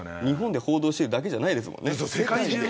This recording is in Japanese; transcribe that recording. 日本で報道してるだけじゃないですもんね。